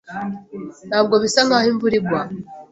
Ntabwo bisa nkaho imvura igwa.